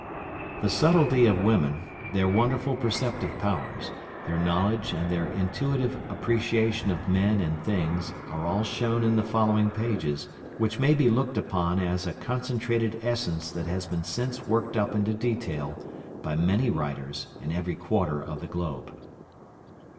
The subtlety of women, their wonderful perceptive powers, their knowledge, and their intuitive appreciation of men and things, are all shown in the following pages, which may be looked upon as a concentrated essence that has been since worked up into detail by many writers in every quarter of the globe.